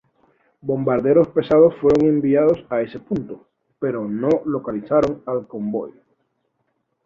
Bombarderos pesados fueron enviados a ese punto, pero no localizaron al convoy.